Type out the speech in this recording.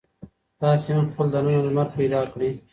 تاسې هم خپل دننه لمر پیدا کړئ.